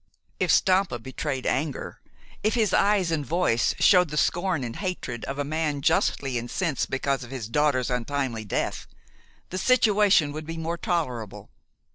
If Stampa betrayed anger, if his eyes and voice showed the scorn and hatred of a man justly incensed because of his daughter's untimely death, the situation would be more tolerable.